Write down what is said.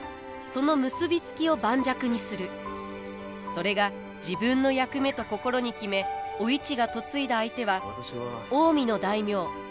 それが自分の役目と心に決めお市が嫁いだ相手は近江の大名浅井長政。